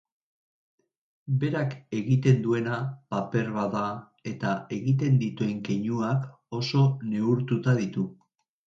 Berak egiten duena paper bat da eta egiten dituen keinuak oso neurtuta ditu.